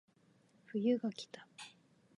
冬がきた